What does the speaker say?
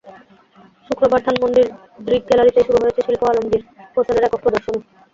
শুক্রবার ধানমন্ডির দৃক গ্যালারিতেই শুরু হয়েছে শিল্পী আলমগীর হোসেনের একক প্রদর্শনী।